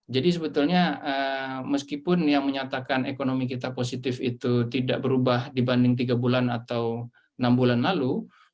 jadi sebetulnya meskipun yang menyatakan ekonomi kita positif itu tidak berubah dibanding tiga bulan atau enam bulan lalu